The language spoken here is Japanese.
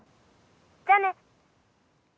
じゃあね！